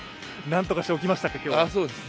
何とかして起きましたか？